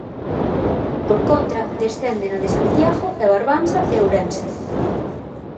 Por contra, descende na de Santiago e Barbanza e Ourense.